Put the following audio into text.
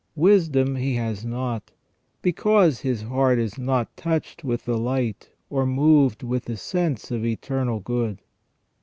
Wisdom he has not, because his heart is not touched with the light or moved with the sense of eternal good.